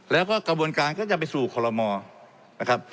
แล้วก็กระบวนการก็จะไปสู่ขอรมอนะครับ